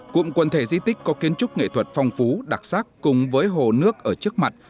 cụm quần thể di tích có kiến trúc nghệ thuật phong phú đặc sắc cùng với hồ nước ở trước mặt